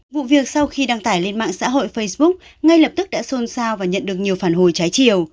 vụ việc sau khi đăng tải lên mạng xã hội facebook ngay lập tức đã xôn xao và nhận được nhiều phản hồi trái chiều